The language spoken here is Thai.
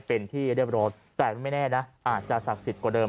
เป็นที่เรียบร้อยแต่ไม่แน่นะอาจจะศักดิ์สิทธิ์กว่าเดิม